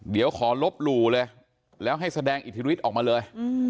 เดี๋ยวขอลบหลู่เลยแล้วให้แสดงอิทธิฤทธิ์ออกมาเลย